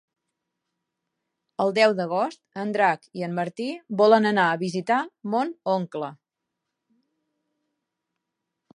El deu d'agost en Drac i en Martí volen anar a visitar mon oncle.